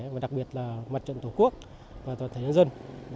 và đặc biệt là mặt trận tổ quốc và toàn thể nhân dân